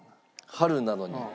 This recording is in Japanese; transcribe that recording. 『春なのに』。